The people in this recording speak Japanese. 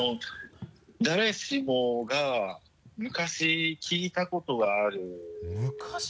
誰しもが昔聞いたことがある音なんですよ。